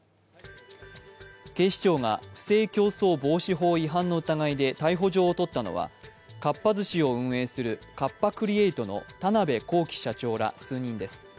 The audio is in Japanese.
警視庁が不正競争防止法違反の疑いで逮捕状を取ったのはかっぱ寿司を運営するカッパ・クリエイトの田辺公己社長ら数人です。